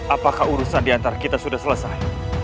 apakah urusan diantara kita sudah selesai